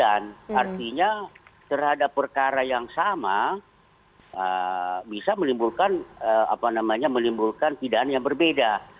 artinya terhadap perkara yang sama bisa menimbulkan apa namanya menimbulkan pidana yang berbeda